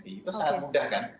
itu sangat mudah kan